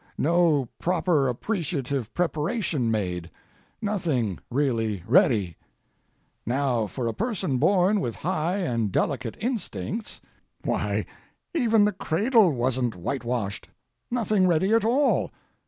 No proper appreciative preparation made; nothing really ready. Now, for a person born with high and delicate instincts—why, even the cradle wasn't whitewashed—nothing ready at all.